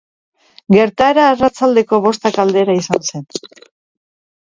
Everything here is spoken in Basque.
Gertaera arratsaldeko bostak aldera izan zen.